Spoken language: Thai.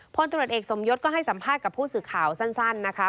พลตรวจเอกสมยศก็ให้สัมภาษณ์กับผู้สื่อข่าวสั้นนะคะ